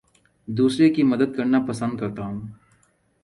دوسروں کی مدد کرنا پسند کرتا ہوں